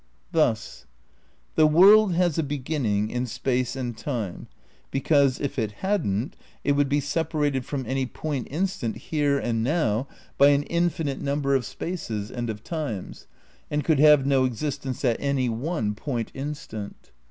Thus : The world has a beginning in space and time, because if it hadn't it would be separated from any point instant here and now by an infinite number of IV THE CRITICAL PREPARATIONS 161 spaces and of times and could have no existence at any one point instant.